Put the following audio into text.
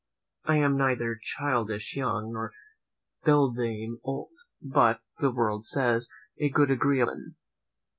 I am neither childish young, nor beldame old, but, the world says, a good agreeable woman.